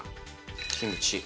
「キムチ」